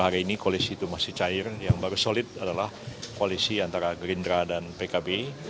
hari ini koalisi itu masih cair yang baru solid adalah koalisi antara gerindra dan pkb